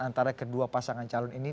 antara kedua pasangan calon ini